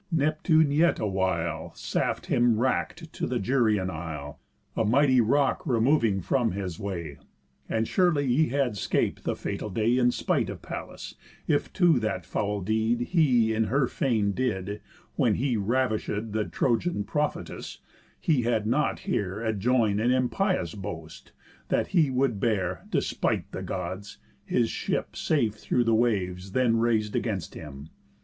Neptune, yet, awhile Saft him unwrack'd, to the Gyræan isle, A mighty rock removing from his way. And surely he had 'scap'd the fatal day, In spite of Pallas, if to that foul deed He in her fane did, (when he ravishéd The Trojan prophetess) he had not here Adjoin'd an impious boast, that he would bear, Despite the Gods, his ship safe through the waves Then rais'd against him.